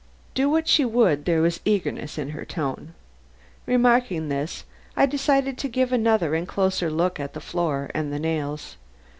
Do what she would there was eagerness in her tone. Remarking this, I decided to give another and closer look at the floor and the nails.